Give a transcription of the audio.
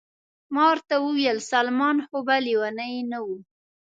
ما ورته وویل: سلمان خو به لیونی نه و؟